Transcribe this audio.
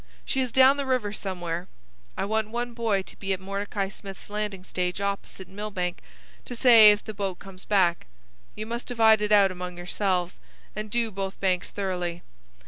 She is down the river somewhere. I want one boy to be at Mordecai Smith's landing stage opposite Millbank to say if the boat comes back. You must divide it out among yourselves, and do both banks thoroughly.